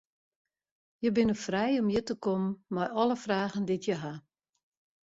Je binne frij om hjir te kommen mei alle fragen dy't je ha.